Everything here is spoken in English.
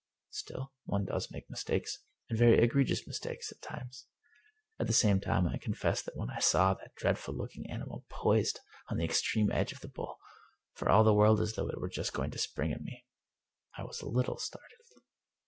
Still, one does make mistakes, and very egregious mistakes, at times. At the same time, I confess that when I saw that dreadful looking animal poised on the extreme edge of the bowl, for all the world as though it were just going to spring at me, I was a little startled.